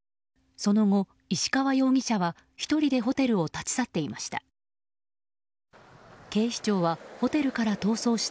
その後、石川容疑者は１人でホテルを立ち去っていました。